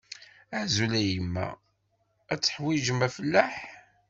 Azul a yemma, ad teḥwijem afellaḥ?